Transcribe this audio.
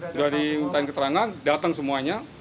sudah dimintain keterangan datang semuanya